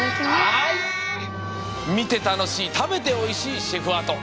みてたのしいたべておいしいシェフアート！